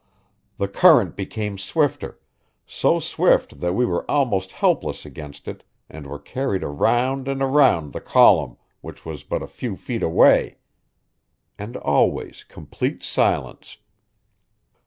The current became swifter so swift that we were almost helpless against it and were carried around and around the column, which was but a few feet away. And always complete silence.